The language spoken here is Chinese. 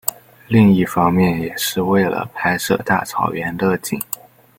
另一方面也是为了拍摄大草原的景。